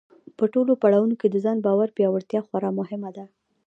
په ټولو پړاوونو کې د ځان باور پیاوړتیا خورا مهمه ده.